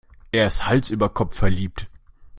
Er ist Hals über Kopf verliebt.